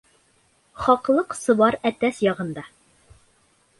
Хаҡлыҡ сыбар әтәс яғында.